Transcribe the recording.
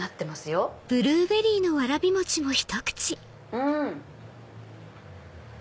うん！